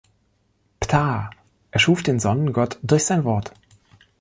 Ptah erschuf den Sonnengott durch sein Wort.